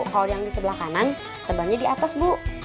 kalau yang di sebelah kanan tebangnya di atas bu